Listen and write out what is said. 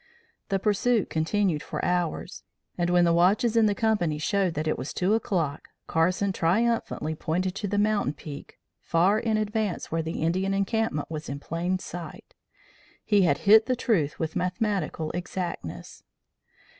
The pursuit continued for hours, and, when the watches in the company showed that it was two o'clock, Carson triumphantly pointed to the mountain peak, far in advance where the Indian encampment was in plain sight. He had hit the truth with mathematical exactness.